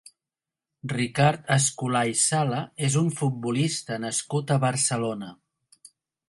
Ricard Escolà i Sala és un futbolista nascut a Barcelona.